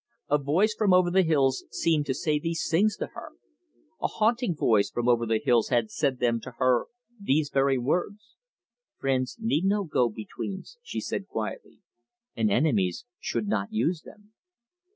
A voice from over the hills seemed to say these things to her. A haunting voice from over the hills had said them to her these very words. "Friends need no go betweens," she said quietly, "and enemies should not use them."